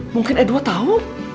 mungkin edward tau